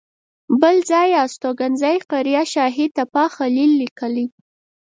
بل ځای یې استوګنځی قریه شاهي تپه خلیل لیکلی.